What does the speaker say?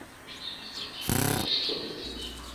কুকুরটাকে ও বহুত দূরে ছুঁড়ে দিয়েছে।